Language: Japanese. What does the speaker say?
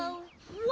うわ！